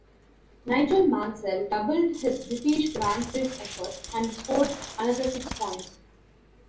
Nigel Mansell doubled his British Grand Prix efforts and scored another six points.